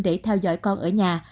để theo dõi con ở nhà